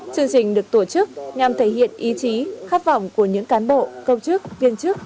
chương trình được tổ chức nhằm thể hiện ý chí khát vọng của những cán bộ công chức viên chức